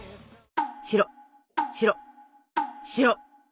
白白白！